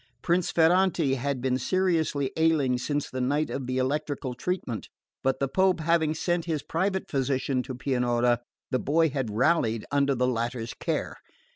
Prince Ferrante had been seriously ailing since the night of the electrical treatment, but the Pope having sent his private physician to Pianura, the boy had rallied under the latter's care.